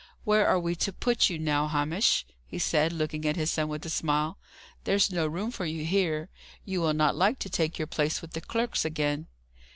"Where are we to put you, now, Hamish?" he said, looking at his son with a smile. "There's no room for you here. You will not like to take your place with the clerks again."